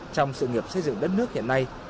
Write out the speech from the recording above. trong sự nghiệp xây dựng đất nước hiện nay